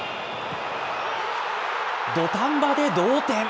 土壇場で同点。